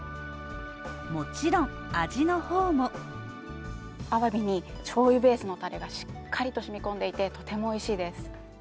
もちろん味の方もあわびに、醤油ベースのタレがしっかりと染み込んでいてとても美味しいです。